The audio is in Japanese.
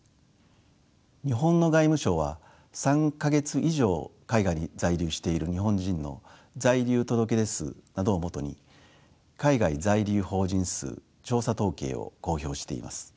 日本の外務省は３か月以上海外に在留している日本人の在留届出数などを基に海外在留邦人数調査統計を公表しています。